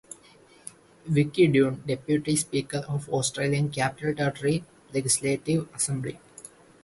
Vicki Dunne, Deputy Speaker of Australian Capital Territory Legislative Assembly.